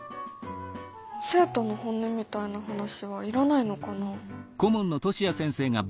生徒の本音みたいな話はいらないのかな？